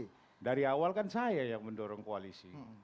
untuk itu dari awal kan saya yang mendorong koalisi